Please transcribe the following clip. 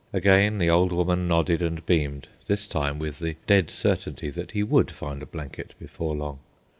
Again the old woman nodded and beamed, this time with the dead certainty that he would find a blanket before long.